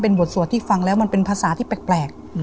พี่ก็คือพี่มาภังแล้วมันเป็นภาษาที่แปลก